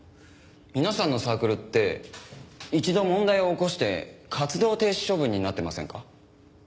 皆さんのサークルって一度問題を起こして活動停止処分になってませんか？